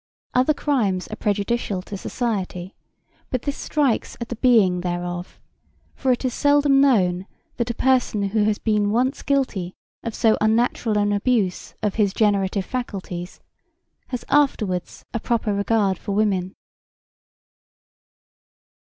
Other crimes are prejudicial to society, but this strikes at the being thereof; for it is seldom known that a person who has been once guilty of so unnatural an abuse of his generative faculties has afterwards a proper regard for women."